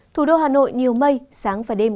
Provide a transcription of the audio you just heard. thủ đô hà nội nhiều mây sáng và đêm